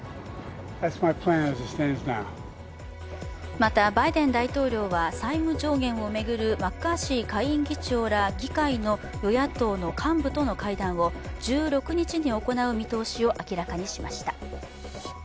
またバイデン大統領は債務上限を巡るマッカーシー下院議長ら議会の与野党の幹部との会談を１６日に行う見通しを明らかにしました。